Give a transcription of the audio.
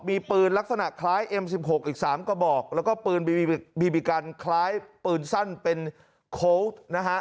มีปืนลักษณะคล้ายเอ็มสิบหกอีก๓กระบอกแล้วก็ปืนบีบีกันคล้ายปืนสั้นเป็นโค้ชนะฮะ